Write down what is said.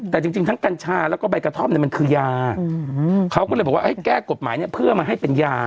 แต่จริงทั้งกัญชาแล้วก็ใบกระท่อมเนี่ยมันคือยาเขาก็เลยบอกว่าให้แก้กฎหมายเนี่ยเพื่อมาให้เป็นยา